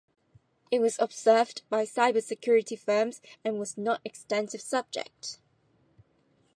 It was observed by cybersecurity firms and was not extensive subject.